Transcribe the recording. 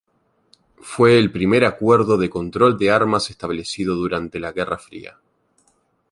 Fue el primer acuerdo de control de armas establecido durante la guerra Fría.